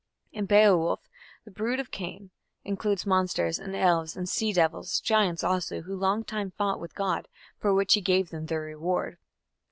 In Beowulf the "brood of Cain" includes "monsters and elves and sea devils giants also, who long time fought with God, for which he gave them their reward".